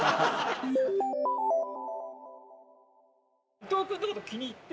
伊藤君の事気に入って。